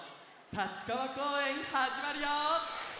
立川こうえんはじまるよ！